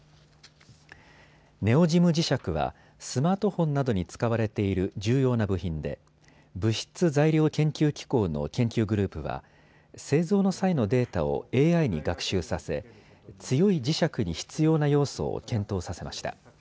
ネオジム磁石はスマートフォンなどに使われている重要な部品で物質・材料研究機構の研究グループは製造の際のデータをＡＩに学習させ強い磁石に必要な要素を検討させました。